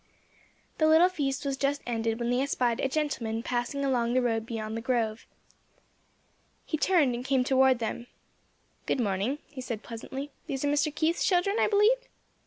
The little feast was just ended when they espied a gentleman passing along the road beyond the grove. He turned and came toward them. "Good morning," he said, pleasantly. "These are Mr. Keith's children, I believe?"